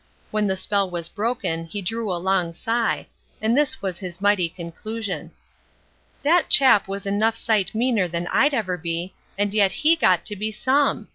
When the spell was broken he drew a long sigh, and this was his mighty conclusion. "That chap was enough sight meaner than I'd ever be, and yet he got to be some!